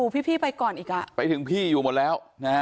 ไปถึงพี่อยู่หมดแล้ว